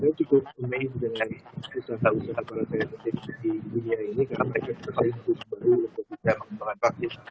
saya cukup gemes dengan perusahaan perusahaan klinis di dunia ini karena mereka selalu berusaha untuk mengembangkan vaksin